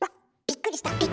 「ぴ」っくりした。